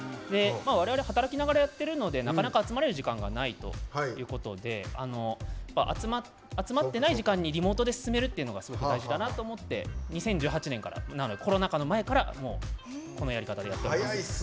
われわれ、働きながらやってるので集まれる時間がないので集まってない時間にリモートで進めるというのがすごく大事だなと思って２０１８年からコロナ禍の前からこのやり方でやっています。